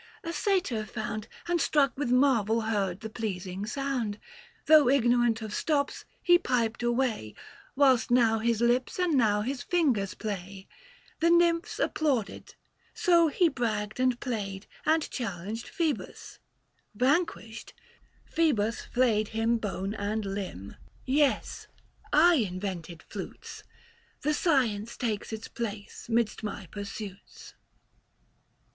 A Satyr found, And struck with marvel heard the pleasing sound ; 850 Though ignorant of stops, he piped away, Whilst now his lips and now his fingers play ; The nymphs applauded ; so he bragged and played And challenged Phoebus ; vanquished, Phoebus flayed Him bone and limb. 855 Yes, I invented flutes ; The science takes its place midst my pursuits."